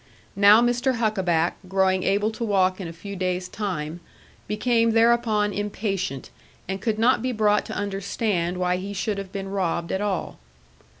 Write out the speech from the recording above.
Now Mr. Huckaback growing able to walk in a few days' time, became thereupon impatient, and could not be brought to understand why he should have been robbed at all.